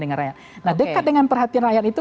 dengan rakyat nah dekat dengan perhatian rakyat itu